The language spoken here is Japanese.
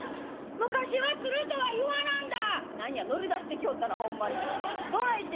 昔はつるとは言わなんだ」。